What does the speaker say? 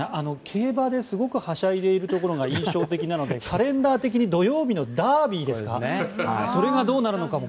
競馬ですごくはしゃいでいるところが印象的なのでカレンダー的に土曜日のダービーそれがどうなるのかも